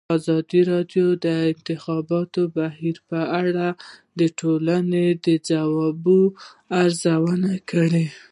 ازادي راډیو د د انتخاباتو بهیر په اړه د ټولنې د ځواب ارزونه کړې.